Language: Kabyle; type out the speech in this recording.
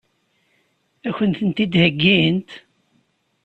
Ad kent-ten-id-heggint?